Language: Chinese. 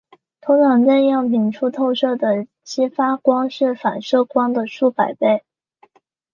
通常在样品处透射的激发光是反射光的千百倍。